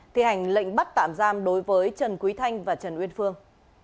thi hành lệnh bắt tạm giam đối với trần quý thanh và trần uyên phương